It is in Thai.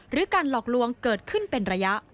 การหลอกลวงเกิดขึ้นเป็นระยะ